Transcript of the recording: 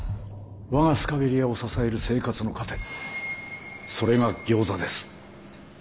我がスカベリアを支える生活の糧それがギョーザです。